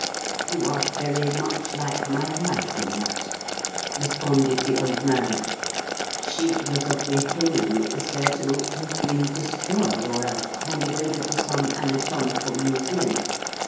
"You are very much like my wife in that," responded the old man. "She was of the opinion that the skeleton ought to have been destroyed or else handed over to some anatomical museum.